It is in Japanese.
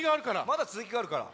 「まだつづきがあるから」。